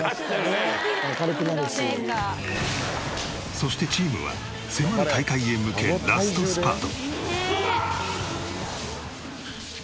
そしてチームは迫る大会へ向けラストスパート。